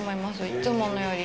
いつものより。